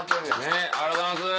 ねっありがとうございます。